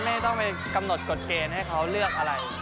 ไม่ต้องไปกำหนดกฎเกณฑ์ให้เขาเลือกอะไร